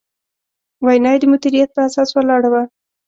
وینا یې د مدیریت په اساس ولاړه وه.